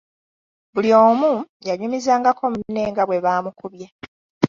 Buli omu yanyumizangako munne nga bwe baamukubye.